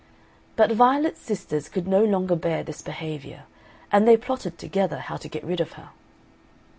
But Violet's sisters could no longer bear this behaviour, and they plotted together how to get rid of her.